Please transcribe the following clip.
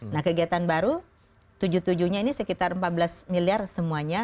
nah kegiatan baru tujuh puluh tujuh nya ini sekitar empat belas miliar semuanya